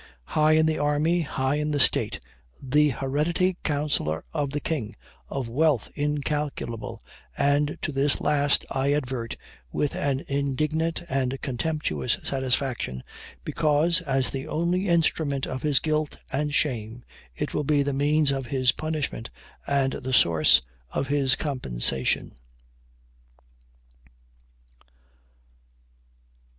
High in the army high in the state the hereditary counsellor of the King of wealth incalculable and to this last I advert with an indignant and contemptuous satisfaction, because, as the only instrument of his guilt and shame, it will be the means of his punishment, and the source of his compensation."